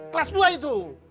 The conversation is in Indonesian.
kelas dua itu